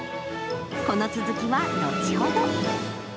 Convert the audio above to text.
この続きは後ほど。